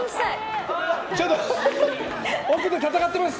奥で戦っています。